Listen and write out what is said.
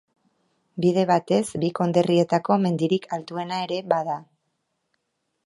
Bide batez bi konderrietako mendirik altuena ere bada.